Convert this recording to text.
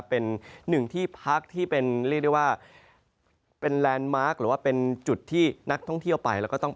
เป็นหนึ่งที่พักที่เป็นเรียกได้ว่าเป็นแลนด์มาร์คหรือว่าเป็นจุดที่นักท่องเที่ยวไปแล้วก็ต้อง